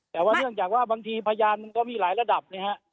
แต่ว่าเนื่องจากว่าบางทีพยานมันก็มีหลายระดับนะฮะ